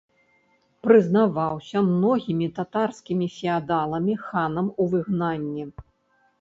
Прызнаваўся многімі татарскімі феадаламі ханам у выгнанні.